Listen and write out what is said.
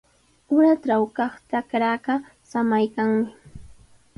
Uratraw kaq trakraaqa samaykanmi.